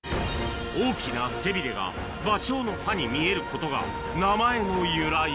大きな背びれがバショウの葉に見えることが名前の由来。